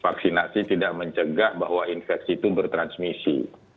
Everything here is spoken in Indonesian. vaksinasi tidak mencegah bahwa infeksi itu bertransmisi